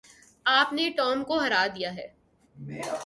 آپ نے ٹام کو ہرا دیا ہے۔